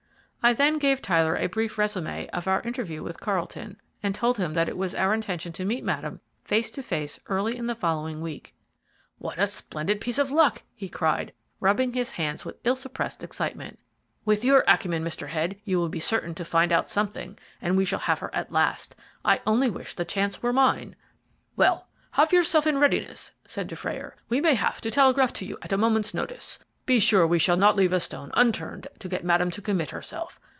I then gave Tyler a brief résumé of our interview with Carlton, and told him that it was our intention to meet Madame face to face early in the following week. "What a splendid piece of luck!" he cried, rubbing his hands with ill suppressed excitement. "With your acumen, Mr. Head, you will be certain to find out something, and we shall have her at last. I only wish the chance were mine." "Well, have yourself in readiness," said Dufrayer; "we may have to telegraph to you at a moment's notice. Be sure we shall not leave a stone unturned to get Madame to commit herself.